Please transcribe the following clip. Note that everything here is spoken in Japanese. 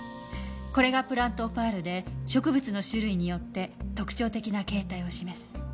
これがプラントオパールで植物の種類によって特徴的な形態を示す。